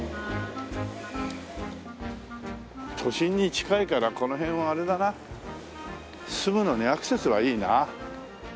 都心に近いからこの辺はあれだな住むのにアクセスはいいな。